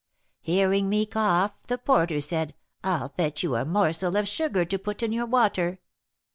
Hearing me cough, the porter said,'I'll fetch you a morsel of sugar to put in your water.'